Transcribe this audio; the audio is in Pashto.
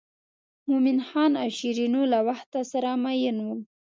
مومن خان او شیرینو له وخته سره مئین وو.